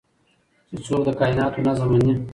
چې څوک د کائنات نظم مني